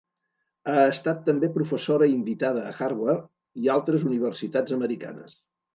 Ha estat també professora invitada a Harvard i altres universitats americanes.